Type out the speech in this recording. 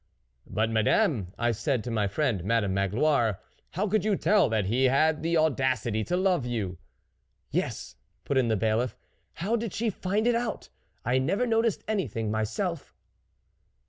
44 4 But Madame,' I said to my friend Madame Magloire, 4 How could you tell that he had the audacity to love you ?'" 44 Yes," put in the Bailiff, " how did she find it out ? I never noticed anything myself."